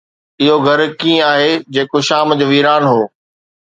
اهو گهر ڪيئن آهي جيڪو شام جو ويران هو.